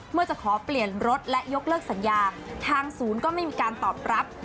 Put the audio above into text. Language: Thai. จะขอเปลี่ยนรถและยกเลิกสัญญาทางศูนย์ก็ไม่มีการตอบรับ